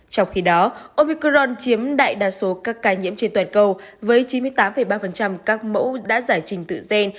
trong khi đó opicron chiếm đại đa số các ca nhiễm trên toàn cầu với chín mươi tám ba các mẫu đã giải trình tự gen